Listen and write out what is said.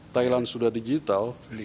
thailand sudah digital